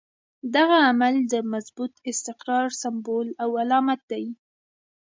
دغه عمل د مضبوط استقرار سمبول او علامت دی.